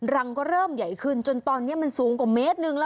รังก็เริ่มใหญ่ขึ้นจนตอนนี้มันสูงกว่า๑เมตรเลยนะ